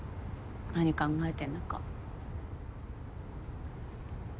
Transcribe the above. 何考えてんのか。